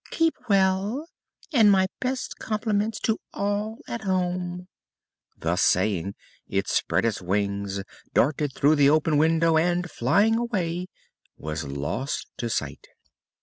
Keep well, and my best compliments to all at home!" Thus saying, it spread its wings, darted through the open window and, flying away, was lost to sight.